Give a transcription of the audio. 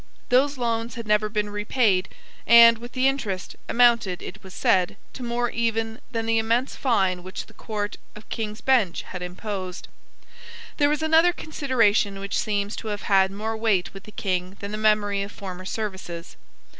Those loans had never been repaid, and, with the interest, amounted, it was said, to more even than the immense fine which the Court of King's Bench had imposed. There was another consideration which seems to have had more weight with the King than the memory of former services.